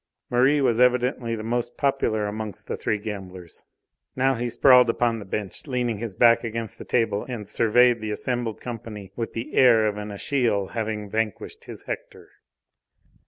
Merri was evidently the most popular amongst the three gamblers. Now he sprawled upon the bench, leaning his back against the table, and surveyed the assembled company with the air of an Achilles having vanquished his Hector.